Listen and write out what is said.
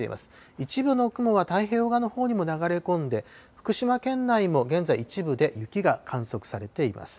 一部の雲は太平洋側のほうにも流れ込んで、福島県内も現在、一部で雪が観測されています。